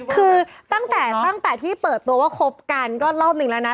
คือตั้งแต่ตั้งแต่ที่เปิดตัวว่าคบกันก็รอบหนึ่งแล้วนะ